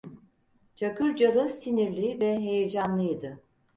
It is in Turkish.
Çakırcalı sinirli ve heyecanlıydı.